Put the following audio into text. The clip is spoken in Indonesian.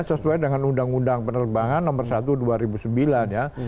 sesuai dengan undang undang penerbangan nomor satu dua ribu sembilan ya